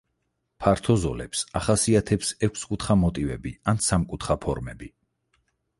ფართო ზოლებს ახასიათებს ექვსკუთხა მოტივები ან სამკუთხა ფორმები.